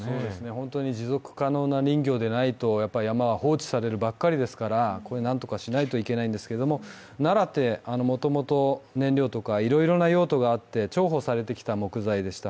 本当に持続可能な林業でないとやっぱり山は放置されるばかりですから、これを何とかしないといけないんですけれどもナラってもともとも燃料とかいろいろな用途があって重宝されてきた木材でした。